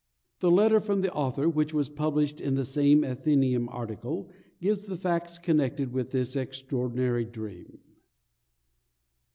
The letter from the author which was published in the same Athenæum article, gives the facts connected with this extraordinary dream.